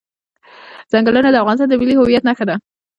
ځنګلونه د افغانستان د ملي هویت نښه ده.